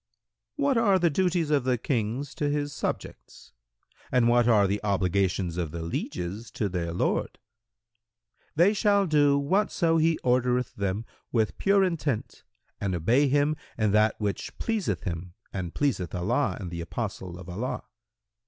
Q "What are the duties of the King to his subjects and what are the obligations of the lieges to their lord?"—"They shall do whatso he ordereth them with pure intent and obey him in that which pleaseth him and pleaseth Allah and the Apostle of Allah.